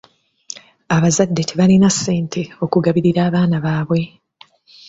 Abazadde tebalina ssente okugabirira abaana baabwe.